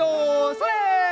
それ！